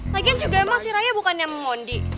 lagi juga emang si raya bukan yang mengondi